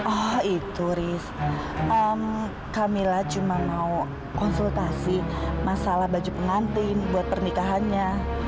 ah itu ris kamila cuma mau konsultasi masalah baju pengantin buat pernikahannya